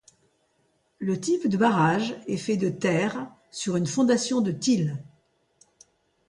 Le type de barrage est fait de terre sur une fondation de till.